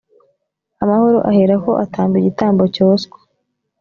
amahoro aherako atamba igitambo cyoswa